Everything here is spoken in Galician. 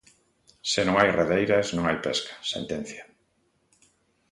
"Se non hai redeiras non hai pesca", sentencia.